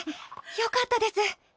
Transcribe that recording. よかったです。